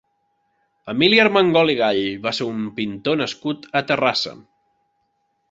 Emili Armengol i Gall va ser un pintor nascut a Terrassa.